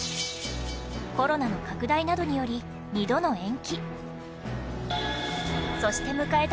コロナの拡大などにより２度の延期そして、迎えた